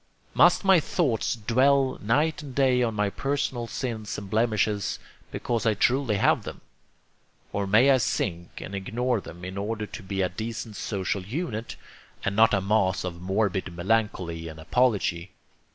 Must my thoughts dwell night and day on my personal sins and blemishes, because I truly have them? or may I sink and ignore them in order to be a decent social unit, and not a mass of morbid melancholy and apology?